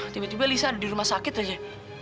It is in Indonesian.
tiba tiba lisa di rumah sakit aja